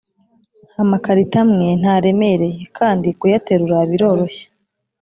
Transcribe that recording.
Amakarito amwe ntaremereye kandi kuyaterura biroroshye